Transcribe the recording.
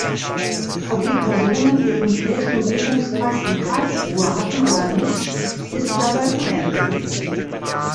Ob die Personen ihren späteren Wirkungskreis in Karlsruhe hatten oder nicht, ist dabei unerheblich.